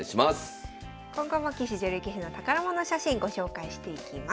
今後も棋士女流棋士の宝物写真ご紹介していきます。